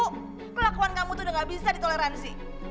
oh kelakuan kamu tuh udah gak bisa ditoleransi